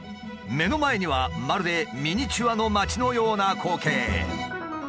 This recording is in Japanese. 目の前にはまるでミニチュアの街のような光景。